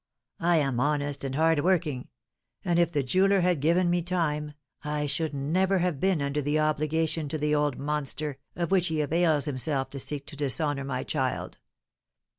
I am honest and hard working; and if the jeweller had given me time, I should never have been under the obligation to the old monster, of which he avails himself to seek to dishonour my child.